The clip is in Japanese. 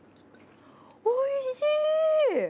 おいしい。